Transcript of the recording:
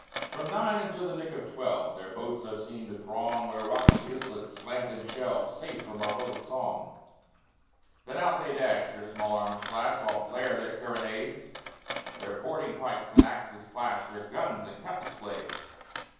From nine until the nick of twelve Their boats are seen to throng Where rocky islets slant and shelve Safe from our bullets' song; Then out they dash, their small arms flash, While blare their carronades, Their boarding pikes and axes clash, Their guns and cutlass blades.